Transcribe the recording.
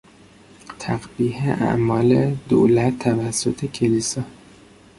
تقبیح اعمال دولت توسط کلیسا